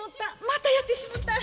またやってしもた。